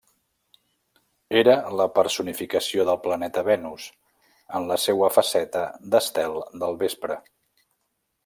Era la personificació del planeta Venus, en la seua faceta d'estel del vespre.